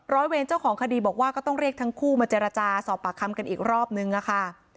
เวรเจ้าของคดีบอกว่าก็ต้องเรียกทั้งคู่มาเจรจาสอบปากคำกันอีกรอบนึงอะค่ะ